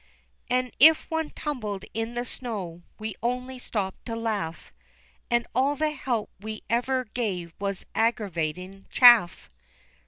An' if one tumbled in the snow, we only stopped to laugh, An' all the help we ever gave was aggravatin' chaff.